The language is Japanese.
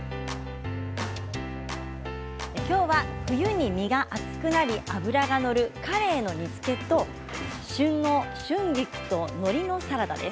きょうは冬に身が厚くなり脂が乗るカレイの煮つけと旬の春菊と、のりのサラダです。